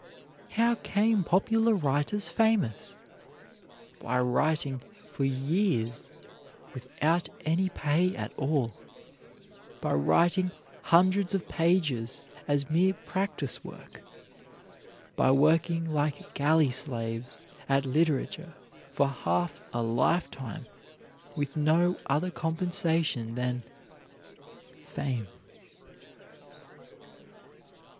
How came popular writers famous? By writing for years without any pay at all; by writing hundreds of pages as mere practise work; by working like galley slaves at literature for half a lifetime with no other compensation than fame.